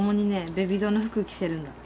ベビドの服着せるんだ。